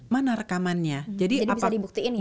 mana rekamannya jadi bisa dibuktiin ya